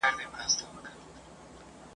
ښکلی زلمی در څخه تللی وم بوډا راځمه !.